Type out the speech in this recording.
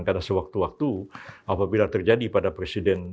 karena sewaktu waktu apabila terjadi pada presiden